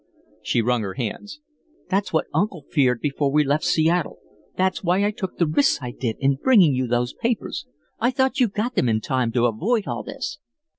She wrung her hands. "That's what uncle feared before we left Seattle. That's why I took the risks I did in bringing you those papers. I thought you got them in time to avoid all this."